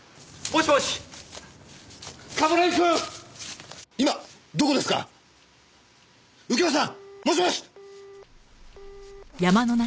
もしもし！